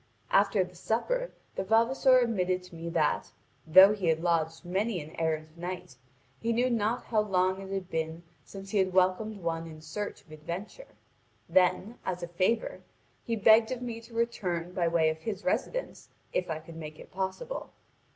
After the supper the vavasor admitted to me that, though he had lodged many an errant knight, he knew not how long it had been since he had welcomed one in search of adventure. Then, as a favour, he begged of me to return by way of his residence, if I could make it possible.